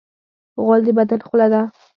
غول د بدن خوله ده.